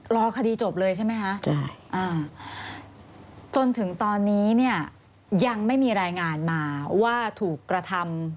รอคดีจบเลยใช่ไหมคะจนถึงตอนนี้เนี่ยยังไม่มีรายงานมาว่าถูกกระทำ